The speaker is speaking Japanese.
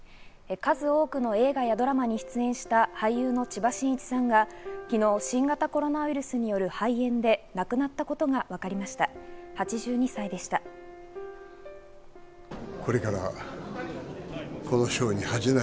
数多くの映画やドラマに出演した俳優の千葉真一さんが昨日、新型コロナウイルスによる肺炎で亡くなったことがわかりました。